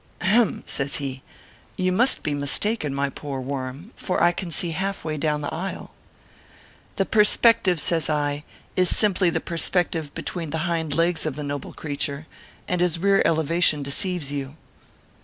"Ahem!" says he. "You must be mistaken, my poor worm ; for I can see half way down the aisle." " The perspective," says I, " is simply the perspec tive between the hind legs of jthe noble creature, and his rear elevation deceives you."